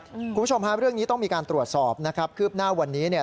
คุณผู้ชมฮะเรื่องนี้ต้องมีการตรวจสอบนะครับคืบหน้าวันนี้เนี่ย